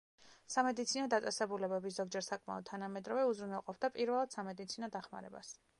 სამედიცინო დაწესებულებები, ზოგჯერ საკმაოდ თანამედროვე, უზრუნველყოფდა პირველად სამედიცინო დახმარებას.